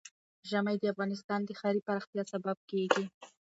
ژمی د افغانستان د ښاري پراختیا سبب کېږي.